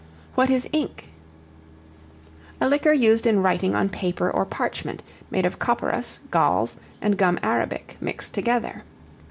What is Ink? A liquor used in writing on paper or parchment, made of copperas, galls; and gum arabic mixed together.